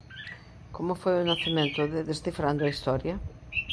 Como foi o nacemento de "Descifrando a Historia"?